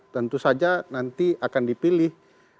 tentu saja nanti akan dipilih